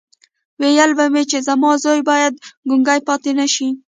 ويل به مې چې زما زوی بايد ګونګی پاتې نه شي.